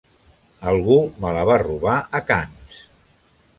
Algú me la va robar a Cannes.